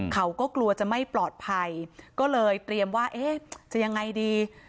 เขาก็กลัวจะไม่ปลอดภัยก็เลยเตรียมว่าเอ๊ะจะยังไงดี